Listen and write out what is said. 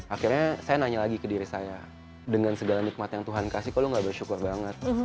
akhirnya saya nanya lagi ke diri saya dengan segala nikmat yang tuhan kasih kok lu gak bersyukur banget